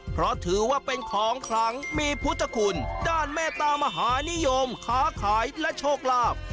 เพราะถือว่าเป็นของคลังมีพุทธคุณด้านเมตามหานิยมค้าขายและโชคลาภ